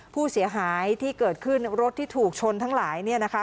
ผู้เสียหายที่เกิดขึ้นรถที่ถูกชนทั้งหลายเนี่ยนะคะ